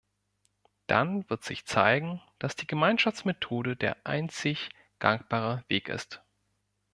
Dann wird sich zeigen, dass die Gemeinschaftsmethode der einzig gangbare Weg ist.